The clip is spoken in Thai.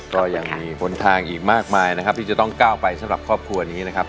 ก็ยังมีหนทางอีกมากมายนะครับที่จะต้องก้าวไปสำหรับครอบครัวนี้นะครับ